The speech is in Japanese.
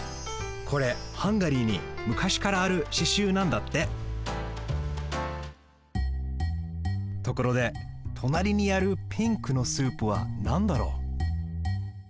これハンガリーにむかしからあるししゅうなんだってところでとなりにあるピンクのスープはなんだろう？